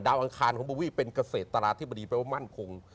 อังคารของโบวี่เป็นเกษตราธิบดีแปลว่ามั่นคง